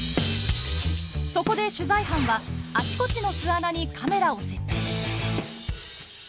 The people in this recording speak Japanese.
そこで取材班はあちこちの巣穴にカメラを設置。